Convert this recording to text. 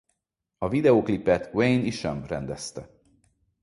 A videóklipet Wayne Isham rendezte.